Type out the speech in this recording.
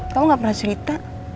kamu gak pernah cerita